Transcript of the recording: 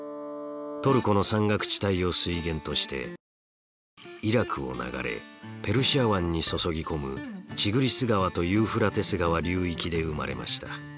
トルコの山岳地帯を水源としてシリアイラクを流れペルシャ湾に注ぎ込むティグリス川とユーフラテス川流域で生まれました。